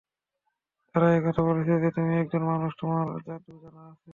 তারা এ কথা বলছে যে, তুমি একজন মানুষ, তোমার জাদু জানা আছে।